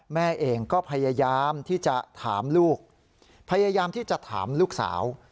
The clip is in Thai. แม่เองก็พยายามที่จะถามลูกพยายามที่จะถามลูกสาว